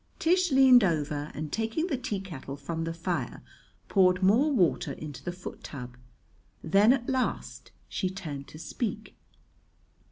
Tish leaned over and, taking the teakettle from the fire, poured more water into the foot tub. Then at last she turned to speak.